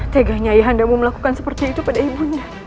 teganya ayah anda mau melakukan seperti itu pada ibunda